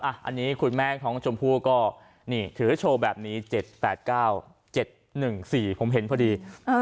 อันนี้คุณแม่น้องชมพู่ก็นี่ถือโชว์แบบนี้๗๘๙๗๑๔ผมเห็นพอดี